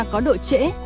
có độ trễ